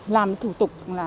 làm thủ tục